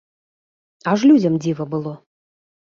Аж людзям дзіва было.